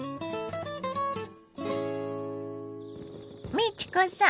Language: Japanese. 美智子さん